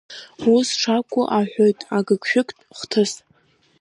Ус шакәу аҳәоит агыгшәыгтә хҭыс…